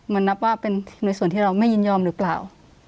มันนับว่าเป็นในส่วนที่เราไม่ยินยอมหรือเปล่า